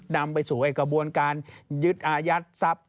นำไปสู่กระบวนการยึดอายัดทรัพย์